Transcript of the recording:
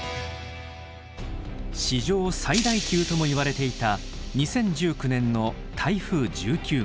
史上最大級ともいわれていた２０１９年の台風１９号。